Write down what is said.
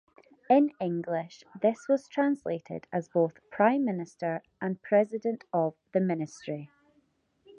In English this was translated as both Prime Minister and President of the Ministry.